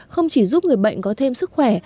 không chỉ giúp người bệnh có thêm sức khỏe